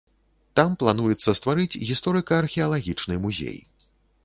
Там плануецца стварыць гісторыка-археалагічны музей.